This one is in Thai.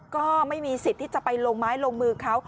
ก็ไม่มีสิทธิ์ที่จะไปลงไม้ลงมือเขา